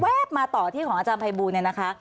แล้วแว๊บมาต่อที่ของอาจารย์พระบูรณ์